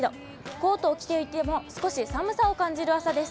コートを着ていても少し寒さを感じる朝です。